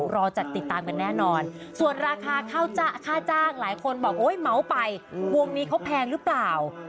รอจัดติดตามกันแน่นอนส่วนราคาค่าจ้างหลายคนบอกโอ๊ยเมาส์ไปวงนี้เขาแพงหรือเปล่า